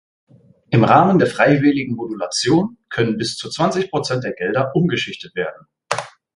Im Rahmen der freiwilligen Modulation können bis zu zwanzig Prozent der Gelder umgeschichtet werden.